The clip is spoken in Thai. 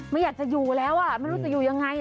ไม่อยากจะอยู่แล้วไม่รู้จะอยู่ยังไง